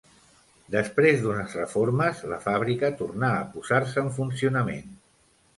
Després d'unes reformes, la fàbrica torna a posar-se en funcionament.